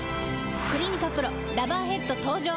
「クリニカＰＲＯラバーヘッド」登場！